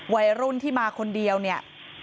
วัยรุ่นที่มาคนเดียวเนี่ย